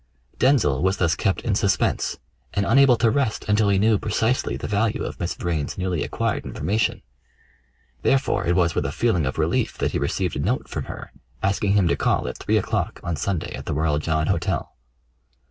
Denzil was thus kept in suspense, and unable to rest until he knew precisely the value of Miss Vrain's newly acquired information; therefore it was with a feeling of relief that he received a note from her asking him to call at three o'clock on Sunday at the Royal John Hotel.